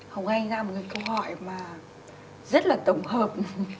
hồng anh ra một cái câu hỏi mà rất là tổng hợp